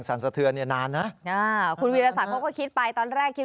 แต่ทำไมวิ่งออกออกนอกบ้านไหม